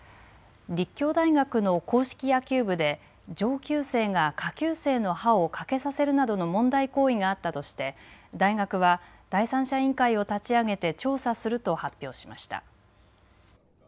立教大学の硬式野球部で上級生が下級生の歯を欠けさせるなどの問題行為があったとして大学は第三者委員会を立ち上げて調査すると発表しました。